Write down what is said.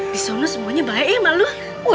di sono semuanya baik mak lo